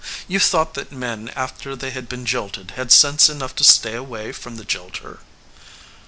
"You thought that men after they had been jilted had sense enough to stay away from the jilter?"